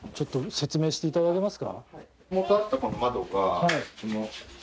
説明していただけますか？